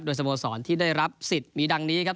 สโมสรที่ได้รับสิทธิ์มีดังนี้ครับ